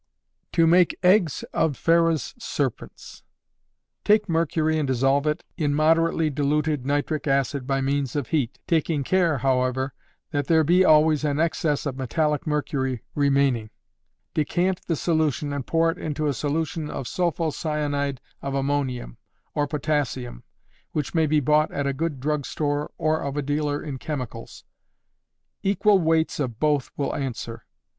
To Make Eggs of Pharaoh's Serpents. Take mercury and dissolve it in moderately diluted nitric acid by means of heat, taking care, however, that there be always an excess of metallic mercury remaining; decant the solution and pour it into a solution of sulpho cyanide of ammonium or potassium, which may be bought at a good drug store, or of a dealer in chemicals. Equal weights of both will answer.